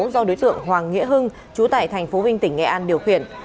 do đối tượng hoàng nghĩa hưng chú tại tp vinh tỉnh nghệ an điều khiển